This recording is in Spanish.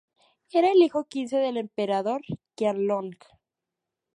Era el hijo quince del emperador Qianlong.